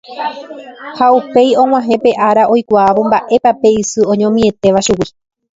ha upéi og̃uahẽ pe ára oikuaávo mba'épa pe isy oñomietéva chugui.